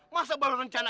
masa baru rencana